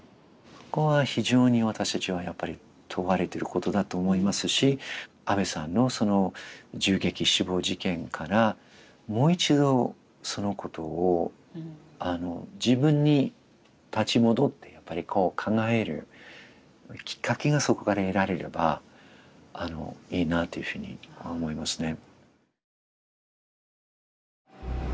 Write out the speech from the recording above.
そこは非常に私たちはやっぱり問われてることだと思いますし安倍さんのその銃撃死亡事件からもう一度そのことを自分に立ち戻ってやっぱり考えるきっかけがそこから得られればいいなというふうに思いますね。